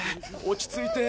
落ち着いて。